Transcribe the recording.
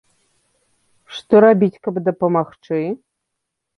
Што рабіць, каб дапамагчы?